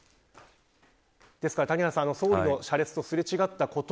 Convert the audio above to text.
ですから谷原さん総理の車列とすれ違ったこと